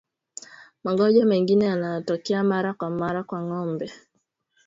Magonjwa mengine yanayotokea mara kwa mara kwa ngombe